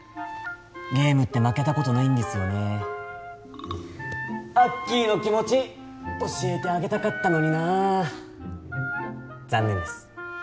ゲームって負けたことないんですよねアッキーの気持ち教えてあげたかったのになあ残念です